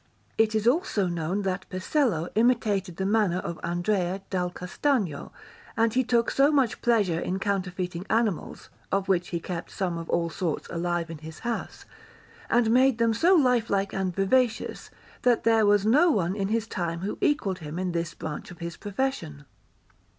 It is also known that Pesello imitated the manner of Andrea dal Castagno; and he took so much pleasure in counterfeiting animals, of which he kept some of all sorts alive in his house, and made them so lifelike and vivacious, that there was no one in his time who equalled him in this branch of his profession.